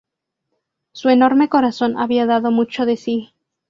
Su enorme corazón había dado mucho de si.